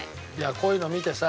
こういうのを見てさ